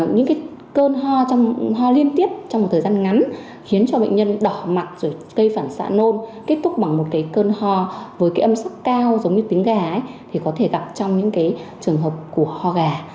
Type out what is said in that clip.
những cơn ho liên tiếp trong một thời gian ngắn khiến cho bệnh nhân đỏ mặt rồi cây phản xạ nôn kết thúc bằng một cơn ho với cái âm sắc cao giống như tính gà thì có thể gặp trong những trường hợp của ho gà